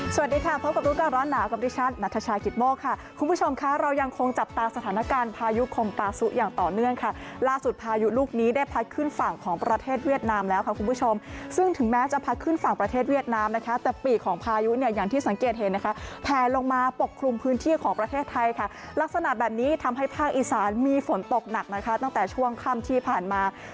สวัสดีค่ะพบกับรู้กันร้อนหนาวกับดิชันนัทชายกิตโม่ค่ะคุณผู้ชมค่ะเรายังคงจับตาสถานการณ์พายุคมปาซุอย่างต่อเนื่องค่ะล่าสุดพายุลูกนี้ได้พัดขึ้นฝั่งของประเทศเวียดนามแล้วค่ะคุณผู้ชมซึ่งถึงแม้จะพัดขึ้นฝั่งประเทศเวียดนามนะคะแต่ปีกของพายุเนี่ยอย่างที่สังเกตเห็นนะคะแผ่ลงมา